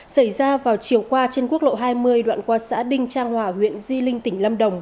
xảy ra vào chiều qua trên quốc lộ hai mươi đoạn qua xã đinh trang hòa huyện di linh tỉnh lâm đồng